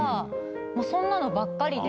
そんなのばっかりで。